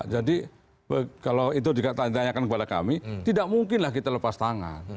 jadi kalau itu ditanyakan kepada kami tidak mungkinlah kita lepas tangan